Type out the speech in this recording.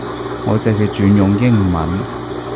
我直接轉用英文